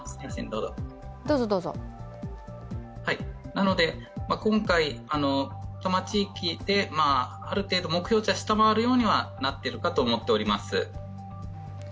なので今回、多摩地域である程度、目標値は下回るようにはなっているかとは思っております。